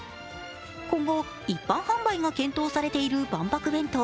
今後、一般販売が検討されている万博弁当。